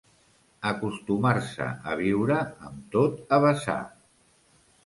Acostumar-se a viure amb tot a vessar.